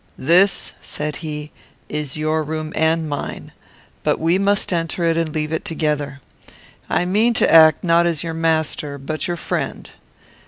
"This," said he, "is your room and mine; but we must enter it and leave it together. I mean to act not as your master but your friend.